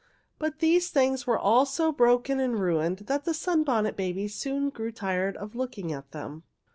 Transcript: But these things were all so broken and ruined the Sunbonnet Babies soon grew tired of looking at them.